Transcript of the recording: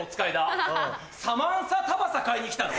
サマンサタバサ買いに来たの？